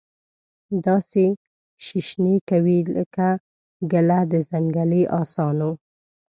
داسي شیشنی کوي لکه ګله د ځنګلې اسانو